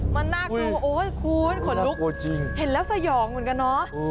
มันน่ากลัวโอ๊ยคุณขนลุกเห็นแล้วสยองเหมือนกันเนอะ